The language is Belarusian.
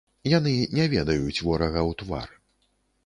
Яны не ведаюць ворага ў твар.